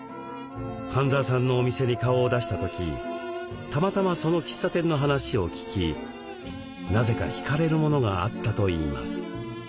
半澤さんのお店に顔を出した時たまたまその喫茶店の話を聞きなぜか引かれるものがあったといいます。